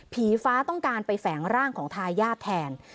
ฟ้าต้องการไปแฝงร่างของทายาทแทน